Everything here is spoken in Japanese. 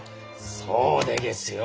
そうでげすよ！